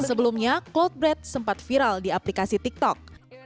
sebelumnya cloud bread sempat viral di aplikasi tiktok